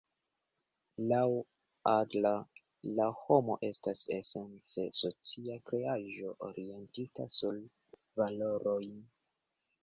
Laŭ Adler la homo estas esence socia kreaĵo, orientita sur valorojn.